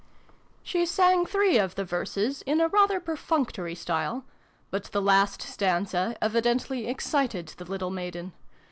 " She sang three of the verses in a rather per functory style, but the last stanza evidently excited the little maiden.